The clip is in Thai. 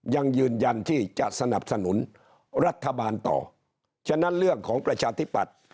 ยังยืนยันที่จะสนับสนุนรัฐบาลต่อฉะนั้นเรื่องของประชาธิปัตย์